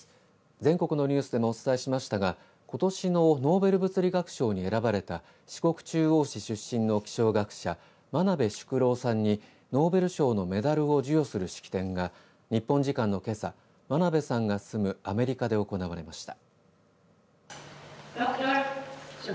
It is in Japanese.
全国のニュースでもお伝えしましたがことしのノーベル物理学賞に選ばれた四国中央市出身の気象学者真鍋淑郎さんにノーベル賞のメダルを授与する式典が日本時間のけさ真鍋さんが住むアメリカで行われました。